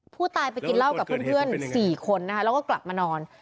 ผู้ตายไปกินเหล้ากับเพื่อน๔คนนะคะแล้วก็กลับมานอน